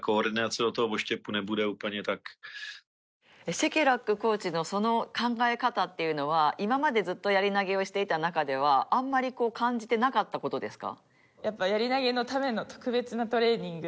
シェケラックコーチのその考え方というのは今までずっとやり投げをしていた中ではあんまり感じてなかったことですか？